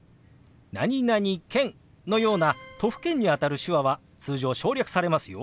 「何々県」のような都府県にあたる手話は通常省略されますよ。